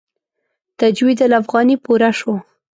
تجوید الافغاني پوره شو.